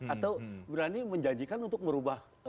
atau berani menjanjikan untuk merubah